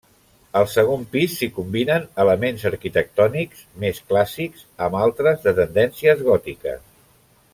Al segon pis s'hi combinen elements arquitectònics més clàssics amb altres de tendències gòtiques.